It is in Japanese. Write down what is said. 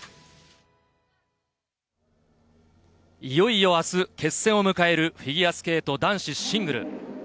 いよいよ明日、決戦を迎えるフィギュアスケート男子シングル。